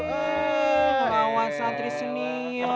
mauan santri sini om